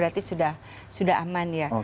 jadi sudah aman ya